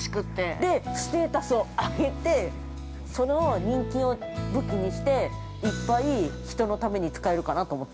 ◆で、ステータスを上げてその人気を武器にしていっぱい人のために使えるかなと思った。